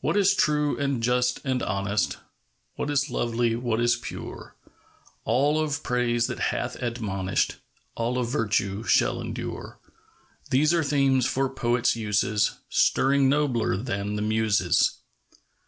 What is true and just and honest, What is lovely, what is pure, — All of praise that hath admonish'd, All of virtue, shall endure, — These are themes for poets' uses, Stirring nobler than the Muses.